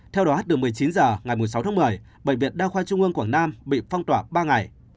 theo đó từ một mươi chín h ngày sáu tháng một mươi bệnh viện đa khoa trung ương quảng nam bị phong tỏa ba ngày